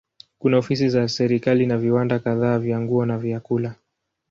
Kuna ofisi za serikali na viwanda kadhaa vya nguo na vyakula.